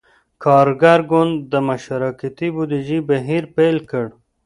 کارګر ګوند د »مشارکتي بودیجې« بهیر پیل کړ.